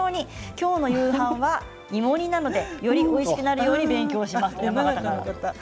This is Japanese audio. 今日の夕飯は芋煮なのでよりおいしくなるように勉強します。